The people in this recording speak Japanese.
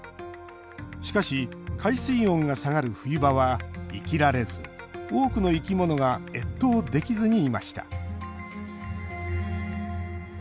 しかし、海水温が下がる冬場は生きられず多くの生き物が越冬できずにいました。